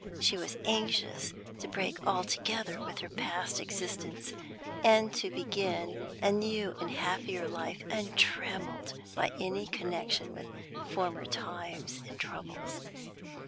She was anxious to break altogether with her past existence, and to begin a new and happier life untrammeled by any connection with former times and troubles.